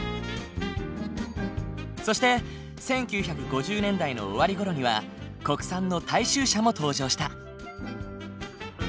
そして１９５０年代の終わりごろには国産の大衆車も登場した。